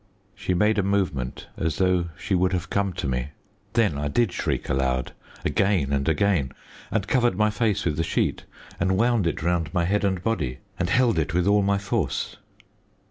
She made a movement as though she would have come to me. Then I did shriek aloud, again and again, and covered my face with the sheet, and wound it round my head and body, and held it with all my force.